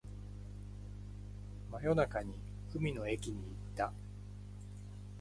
真夜中に海の駅に行った